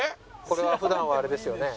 これは普段はあれですよね。